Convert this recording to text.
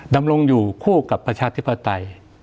ดำรงอยู่คู่กับประชาธิปไตย